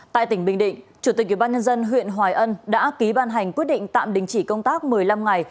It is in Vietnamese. tại tỉnh bình định chủ tịch ubnd huyện hoài ân đã ký ban hành quyết định tạm đình chỉ công tác một mươi năm ngày